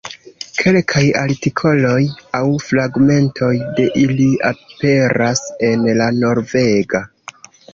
Kelkaj artikoloj aŭ fragmentoj de ili aperas en la Norvega.